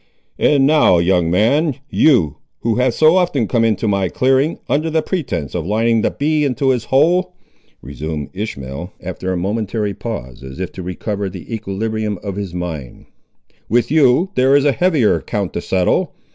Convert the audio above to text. "And now, young man; you, who have so often come into my clearing, under the pretence of lining the bee into his hole," resumed Ishmael, after a momentary pause, as if to recover the equilibrium of his mind, "with you there is a heavier account to settle.